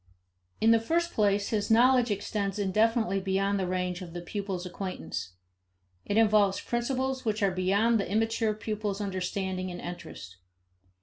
In the first place, his knowledge extends indefinitely beyond the range of the pupil's acquaintance. It involves principles which are beyond the immature pupil's understanding and interest.